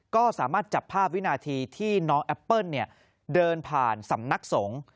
ก็สามารถจับภาพวินาทีที่น้องแอปเปิ้ลเดินผ่านสำนักสงฆ์